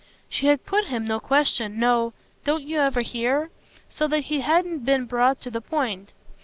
She had put him no question, no "Don't you ever hear?" so that he hadn't been brought to the point.